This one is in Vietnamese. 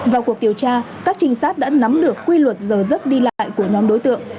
vào cuộc điều tra các trinh sát đã nắm được quy luật giờ giấc đi lại của nhóm đối tượng